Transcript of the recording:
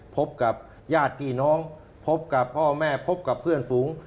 พบกับญาติพี่น้องพบกับพ่อแม่พบกับเพื่อนฝูง